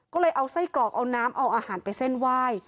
ก็เลยเอาไส้กรอกเอาน้ำเอาอาหารไปเส้นไหว้